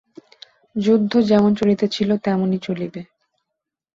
যুদ্ধ যেমন চলিতেছিল তেমনই চলিবে।